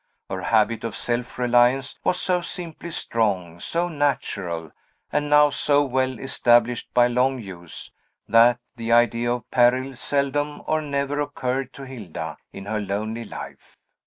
Her habit of self reliance was so simply strong, so natural, and now so well established by long use, that the idea of peril seldom or never occurred to Hilda, in her lonely life.